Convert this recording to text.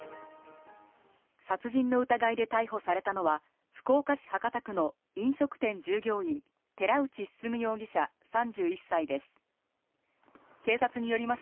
殺人の疑いで逮捕されたのは福岡市博多区の飲食店従業員・寺内進容疑者、３１歳です。